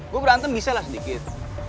gue berantem bisa lah sedikit